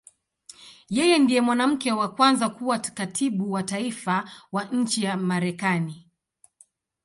Yeye ndiye mwanamke wa kwanza kuwa Katibu wa Taifa wa nchi ya Marekani.